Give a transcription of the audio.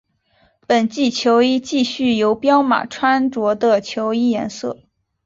本季球衣继续由彪马穿着的球衣颜色。